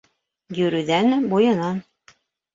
Йүрүҙән буйынан.